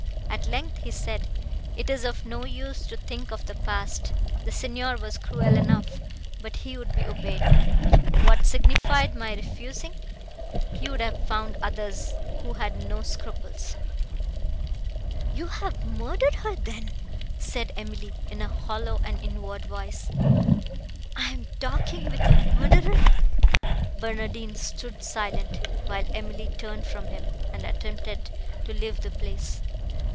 At length he said, "It is of no use to think of the past; the Signor was cruel enough, but he would be obeyed. What signified my refusing? He would have found others, who had no scruples." "You have murdered her, then!" said Emily, in a hollow and inward voice—"I am talking with a murderer!" Barnardine stood silent; while Emily turned from him, and attempted to leave the place.